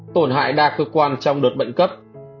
tổn hại đa cơ quan trong đợt bệnh cấp